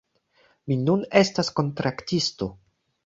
Mi nun estas kontraktisto